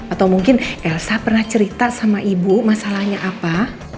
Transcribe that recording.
atau mungkin elsa pernah cerita sama ibu masalahnya apa